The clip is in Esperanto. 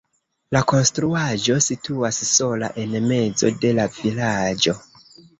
La konstruaĵo situas sola en mezo de la vilaĝo.